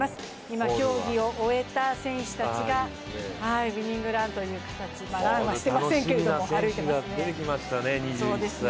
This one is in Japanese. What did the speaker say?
今、競技を終えた選手たちがウイニングランという形、ランはしてませんけど歩いてますね。